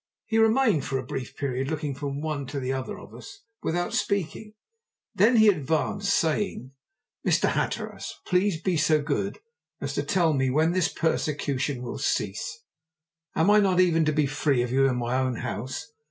He remained for a brief period looking from one to the other of us without speaking, then he advanced, saying, "Mr. Hatteras, please be so good as to tell me when this persecution will cease? Am I not even to be free of you in my own house.